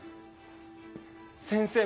先生